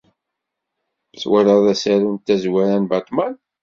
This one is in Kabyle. Twalaḍ asaru n Tazwara n Batman?